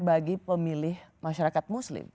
bagi pemilih masyarakat muslim